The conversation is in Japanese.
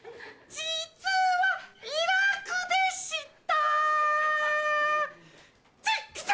実はイラクでしたチックショ！